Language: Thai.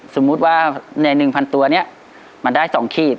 สมมุติว่าใน๑๐๐ตัวนี้มันได้๒ขีด